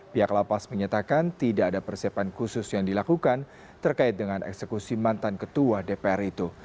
pihak lapas menyatakan tidak ada persiapan khusus yang dilakukan terkait dengan eksekusi mantan ketua dpr itu